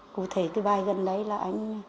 cụ thể cái bài gần đấy là anh